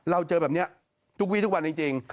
เราเจอแบบนี้ทุกวิทย์ทุกวันจริง